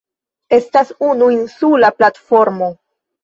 Estas unu insula platformo.